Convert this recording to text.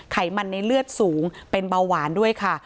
ไขมันในเลือดสูงเป็นเบาหวานด้วยค่ะ